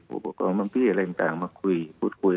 ผู้ปกครองพื้นที่อะไรต่างมาคุยพูดคุย